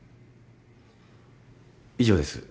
以上です。